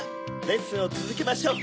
レッスンをつづけましょう。